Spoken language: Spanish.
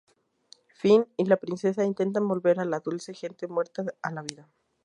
Finn y la princesa intentan volver a la Dulce Gente muerta a la vida.